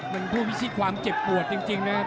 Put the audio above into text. มันผู้พิสิทธิ์ความเจ็บปวดจริงนะครับ